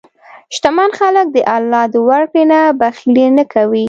شتمن خلک د الله د ورکړې نه بخیلي نه کوي.